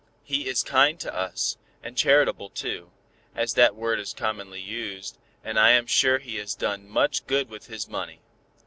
He is kind to us, and charitable too, as that word is commonly used, and I am sure he has done much good with his money."